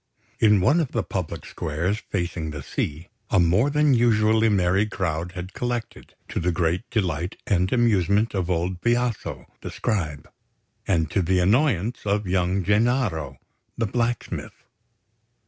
In one of the public squares facing the sea, a more than usually merry crowd had collected, to the great delight and amusement of old Biaso, the Scribe, and to the annoyance of young Gennaro, the blacksmith.